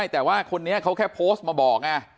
แต่ว่าคนนี้เขาแค่โพสต์มาบอกไง